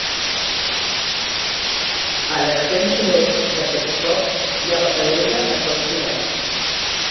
A l'extrem sud-oest d'aquest sot hi ha la Pedrera de Coll Girant.